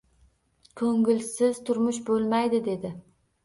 Ko‘ngilsiz turmush bo‘lmaydi dedi.